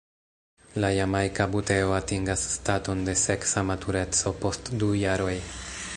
La Jamajka buteo atingas staton de seksa matureco post du jaroj.